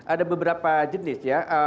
ada beberapa jenis ya